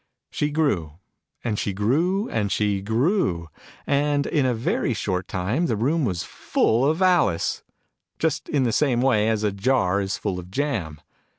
She grew, and she grew, and she grew. And in a very short time the room was full of Alice : just in the same wav as a jar is full of jam